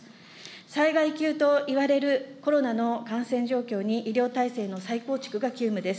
災害級といわれるコロナの感染状況に、医療体制の再構築が急務です。